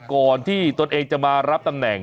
ก่อนที่ตนเองจะมารับตำแหน่ง